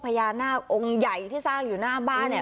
พญานาคองใหญ่ที่สร้างอยู่หน้าบ้าน